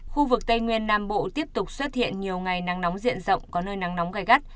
khu vực tây nguyên nam bộ tiếp tục xuất hiện nhiều ngày nắng nóng diện rộng có nơi nắng nóng gai gắt